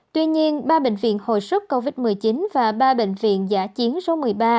tuy nhiên ba bệnh viện hồi sức covid một mươi chín và ba bệnh viện giả chiến số một mươi ba một mươi năm một mươi sáu